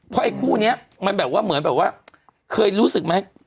พอไอ้คู่นี้มันเหมือนเขายึบหว้างไหน